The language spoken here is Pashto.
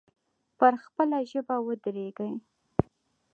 پر خپله ژمنه ودرېږئ.